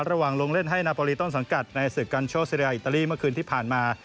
ลงเล่นให้นาโปรลีต้นสังกัดในศึกกันโชว์ซีเรียอิตาลีเมื่อคืนที่ผ่านมา